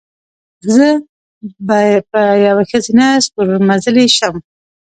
زه به یوه ښځینه ستورمزلې شم."